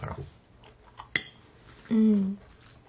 うん。